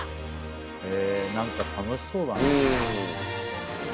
へぇなんか楽しそうだね。